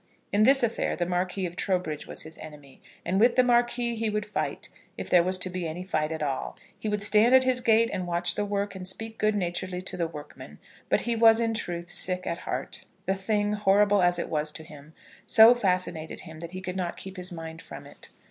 In this affair the Marquis of Trowbridge was his enemy, and with the Marquis he would fight, if there was to be any fight at all. He would stand at his gate and watch the work, and speak good naturedly to the workmen; but he was in truth sick at heart. The thing, horrible as it was to him, so fascinated him that he could not keep his mind from it.